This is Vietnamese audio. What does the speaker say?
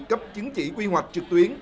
cấp chứng chỉ quy hoạch trực tuyến